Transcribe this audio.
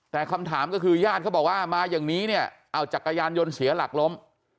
แต่คำถามก็คือญาติเขาบอกว่ามาอย่างนี้เนี่ยเอาจักรยานยนต์เสียหลักล้ม